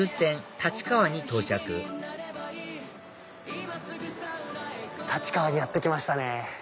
立川に到着立川にやって来ましたね。